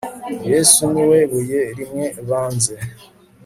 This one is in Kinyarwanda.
yesu niwe buye rimwe banze